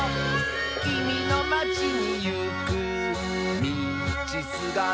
「きみのまちにいくみちすがら」